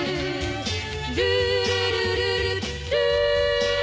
「ルールルルルルー」